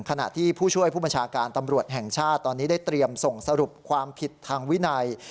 ขณะที่ผู้ช่วยผู้บัญชาการตำรวจแห่งชาติตอนนี้ได้เตรียมส่งสรุปความผิดทางวินัย